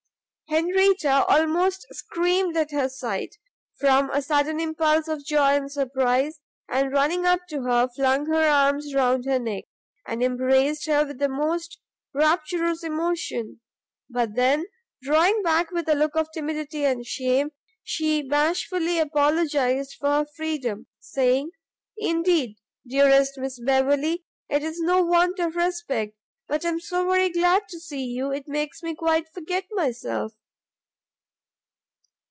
Henrietta almost screamed at her sight, from a sudden impulse of joy and surprize, and, running up to her, flung her arms round her neck, and embraced her with the most rapturous emotion: but then, drawing back with a look of timidity and shame, she bashfully apologized for her freedom, saying, "Indeed, dearest Miss Beverley, it is no want of respect, but I am so very glad to see you it makes me quite forget myself!"